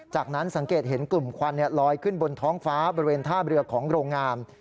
จากนั้นสังเกตเห็นกลุ่มควันลอยขึ้นบนท้องฟ้าบริเวณท่าเรือของโรงงาน